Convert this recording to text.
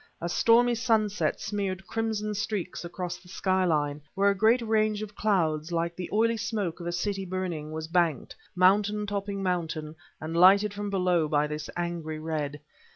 A stormy sunset smeared crimson streaks across the skyline, where a great range of clouds, like the oily smoke of a city burning, was banked, mountain topping mountain, and lighted from below by this angry red.